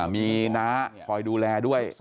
มีน้าคอยดูแลด้วย